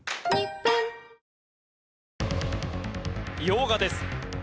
洋画です。